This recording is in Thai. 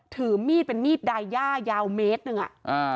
ถือมีดเป็นมีดดายย่ายาวเมตรหนึ่งอ่ะอ่า